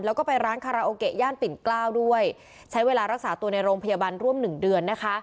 แล้วก็ไปร้านคาราโอเกะย่านปิ่นเกล้าด้วยใช้เวลารักษาตัวในโรงพยาบาลร่วมหนึ่งเดือนนะคะ